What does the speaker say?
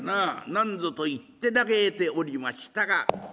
なんぞと言って嘆いておりましたが。